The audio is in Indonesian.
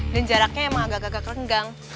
dan jaraknya emang agak agak renggang